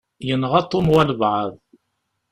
Yenɣa Tom walebɛaḍ.